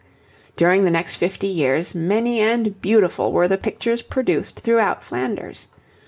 During the next fifty years many and beautiful were the pictures produced throughout Flanders.